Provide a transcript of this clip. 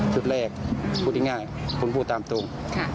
ชุดแรกพูดง่ายผมพูดตามตรง